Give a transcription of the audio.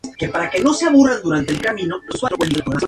Contando las antenas, continúa siendo el edificio más alto de Haifa.